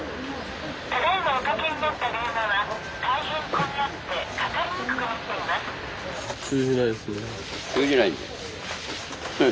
ただいまおかけになった電話は大変混み合ってかかりにくくなっています」。